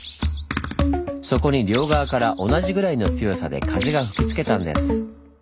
そこに両側から同じぐらいの強さで風が吹きつけたんです。